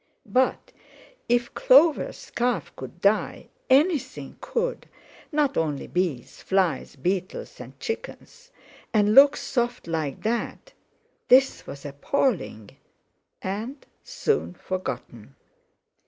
But if Clover's calf could die, anything could—not only bees, flies, beetles and chickens—and look soft like that! This was appalling—and soon forgotten!